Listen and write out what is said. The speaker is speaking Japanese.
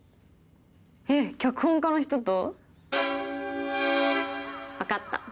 へぇ脚本家の人と？分かった。